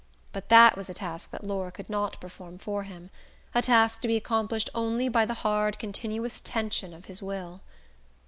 But that was a task that Laura could not perform for him, a task to be accomplished only by the hard continuous tension of his will.